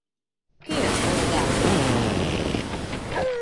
Кӧ оза?!